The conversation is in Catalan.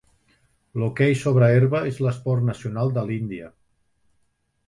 L'hoquei sobre herba és l'esport nacional de l'Índia.